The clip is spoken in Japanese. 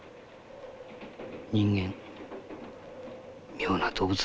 人間妙な動物だな。